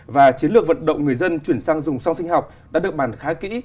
và chiến lược vận động người dân chuyển xăng dùng xong sinh học đã được bàn khá kỹ